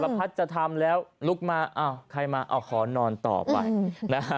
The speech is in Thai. พัดจะทำแล้วลุกมาอ้าวใครมาเอาขอนอนต่อไปนะฮะ